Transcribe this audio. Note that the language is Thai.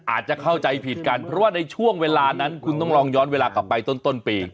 อาจจะเข้าใจผิดกันเพราะว่าในช่วงเวลานั้นคุณต้องลองย้อนเวลากลับไปต้นปี